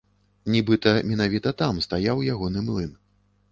Нібыта менавіта там стаяў ягоны млын.